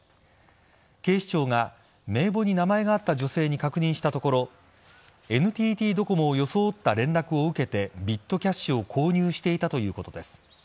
警視庁が名簿に名前があった女性に確認したところＮＴＴドコモを装った連絡を受けてビットキャッシュを購入していたということです。